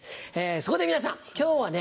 そこで皆さん今日はね